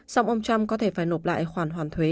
song ông trump có thể phải nộp lại khoản hoàn thuế